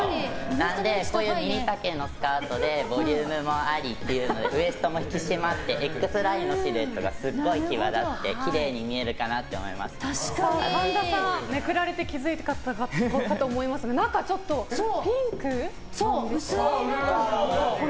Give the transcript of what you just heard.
なのでこういうミニ丈のスカートでボリュームもありっていうのでウエストも引き締まってＸラインのシルエットがすごい際立って神田さん、めくられて気づかれたかと思いますが中がピンクなんですよね。